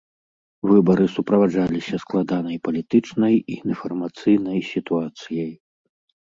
Выбары суправаджаліся складанай палітычнай і інфармацыйнай сітуацыяй.